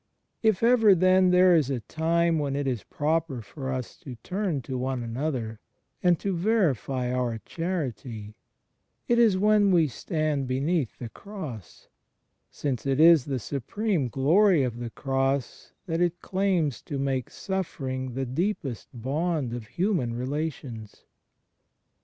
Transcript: If ever, then, there is a time when it is proper for us to turn to one another, and to verify our charity, it is when we stand beneath the Cross; since it is the supreme glory of the Cross that it claims to make suffer ing the deepest bond of hmnan relations.